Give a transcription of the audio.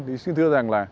thì xin thưa rằng là